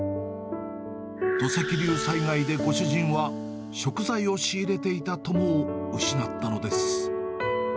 土石流災害でご主人は食材を仕入れていた友を失ったのです。